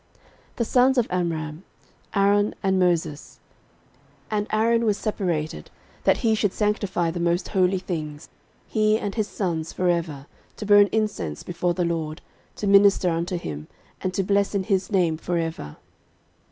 13:023:013 The sons of Amram; Aaron and Moses: and Aaron was separated, that he should sanctify the most holy things, he and his sons for ever, to burn incense before the LORD, to minister unto him, and to bless in his name for ever.